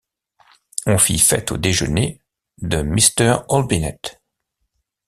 On fit fête au déjeuner de Mr. Olbinett.